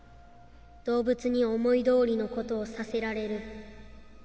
動物に思いどおりのことをさせられる